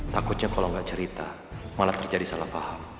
takutnya kalau nggak cerita malah terjadi salah paham